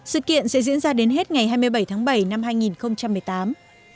sự kiện sẽ diễn ra đến hết ngày hai mươi bảy tháng bảy năm hai nghìn một mươi tám